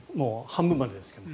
半分までですけど。